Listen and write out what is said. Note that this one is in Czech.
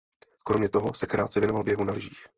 Kromě toho se krátce věnoval běhu na lyžích.